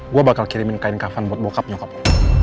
gue bakal kirimin kain kafan buat bokap nyokap lo